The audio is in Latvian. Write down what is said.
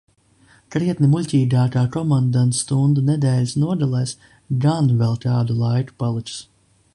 Krietni muļķīgākā komandantstunda nedēļas nogalēs gan vēl kādu laiku paliks.